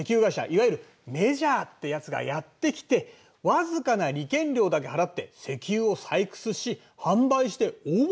いわゆるメジャーってやつがやって来て僅かな利権料だけ払って石油を採掘し販売して大もうけしたんだ。